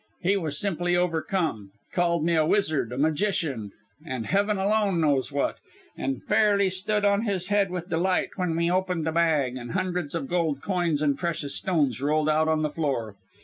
He was simply overcome called me a wizard, a magician, and heaven alone knows what, and fairly stood on his head with delight when we opened the bag, and hundreds of gold coins and precious stones rolled out on the floor.